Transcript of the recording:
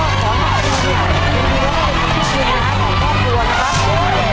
พยายามให้ถือจำไว้นะฝังนะ